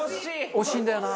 惜しいんだよな。